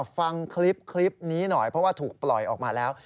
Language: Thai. ฟังคลิปนี้หน่อยเพราะว่าถูกปล่อยออกมาแล้ว